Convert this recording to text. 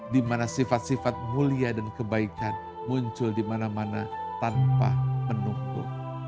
di mana sifat sifat mulia dan kebaikan muncul di mana mana tanpa menunggu